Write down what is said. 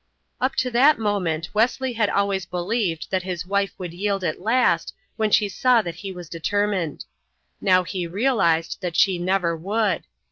Up to that moment Wesley had always believed that his wife would yield at last, when she saw that he was determined. Now he realized that she never would.